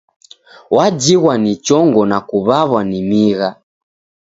Wajighwa ni chongo na kuw'aw'a ni migha.